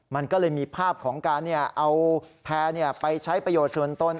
มันก็เลยมีภาพของการเอาแพร่ไปใช้ประโยชน์ส่วนตน